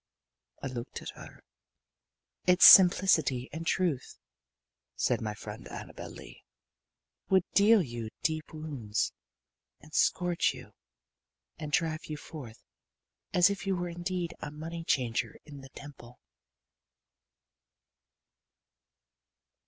I looked at her. "Its simplicity and truth," said my friend Annabel Lee, "would deal you deep wounds and scourge you and drive you forth as if you were indeed a money changer in the temple."